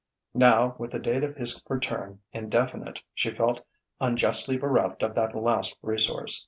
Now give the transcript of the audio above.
Now, with the date of his return indefinite, she felt unjustly bereft of that last resource.